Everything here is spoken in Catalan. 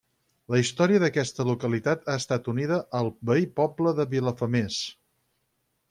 La història d'aquesta localitat ha estat unida al veí poble de Vilafamés.